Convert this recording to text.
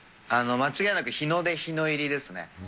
間違いなく、日の出、日の入りですね。